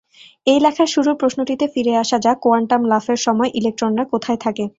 এই লেখার শুরুর প্রশ্নটিতে ফিরে আসা যাক, কোয়ান্টাম লাফের সময় ইলেকট্রনরা কোথায় থাকে।